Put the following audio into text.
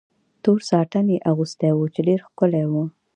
تور ساټن یې اغوستی و، چې ډېر ښکلی و.